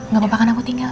gak apa apa kan aku tinggal